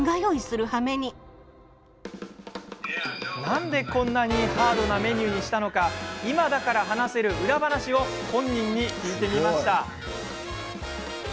なんで、こんなにハードなメニューにしたのか今だから話せる裏話を本人に聞いてみました。